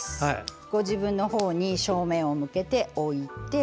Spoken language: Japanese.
ご自分のほうに正面を向けて置いて。